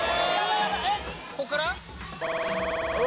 ここから？